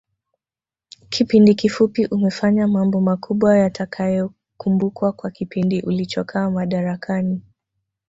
Kipindi kifupi umefanya mambo makubwa yatakayokumbukwa kwa kipindi ulichokaa madarakani